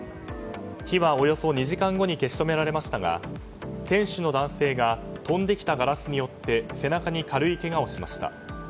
火はおよそ２時間後に消し止められましたが店主の男性が飛んできたガラスによって背中に軽いけがをしました。